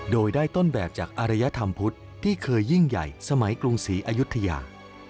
โดยได้ต้นแบบจากอารยธรรมพุทธที่เคยยิ่งใหญ่สมัยกรุงศรีอายุทยา